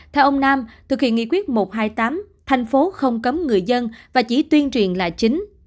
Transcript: theo ông nam thực hiện nghị quyết một trăm hai mươi tám thành phố không cấm người dân và chỉ tuyên truyền là chính